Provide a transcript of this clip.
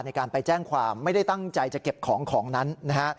ในการไปแจ้งความไม่ได้ตั้งใจจะเก็บของของนั้นนะฮะ